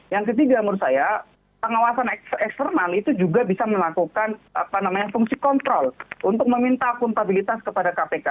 yang ketiga menurut saya pengawasan eksternal itu juga bisa melakukan fungsi kontrol untuk meminta akuntabilitas kepada kpk